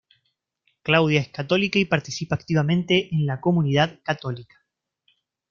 Claudia es católica y participa activamente en la comunidad católica.